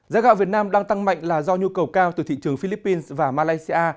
giá gạo việt nam đang tăng mạnh là do nhu cầu cao từ thị trường philippines và malaysia